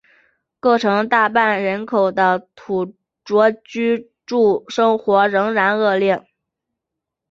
构成大半人口的土着居住生活仍然恶劣。